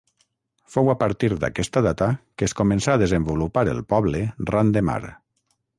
Fou a partir d'aquesta data que es començà a desenvolupar el poble ran de mar.